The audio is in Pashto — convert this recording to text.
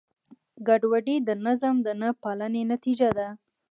ګډوډي د نظم د نهپالنې نتیجه ده.